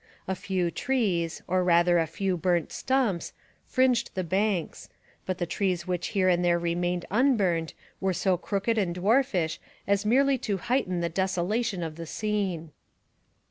A few trees, or rather a few burnt stumps, fringed the banks, but the trees which here and there remained unburned were so crooked and dwarfish as merely to heighten the desolation of the scene.